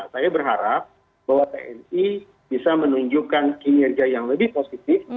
saya berharap bahwa tni bisa menunjukkan kinerja yang lebih positif